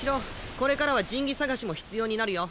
これからは神器捜しも必要になるよ。